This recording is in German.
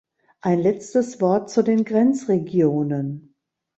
Ein letztes Wort zu den Grenzregionen.